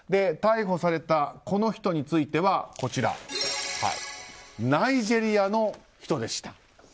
逮捕された、この人についてはナイジェリアの人でした。